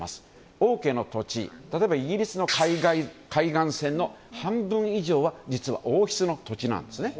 王家の土地、例えばイギリスの海岸線の半分以上は実は王室の土地なんですね。